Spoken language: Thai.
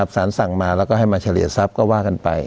สารสั่งมาแล้วก็ให้มาเฉลี่ยทรัพย์ก็ว่ากันไป